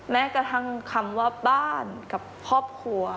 แม้กระทั่งคำว่าบ้านกับครอบครัว